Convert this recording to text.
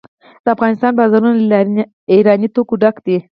د افغانستان بازارونه له ایراني توکو ډک دي.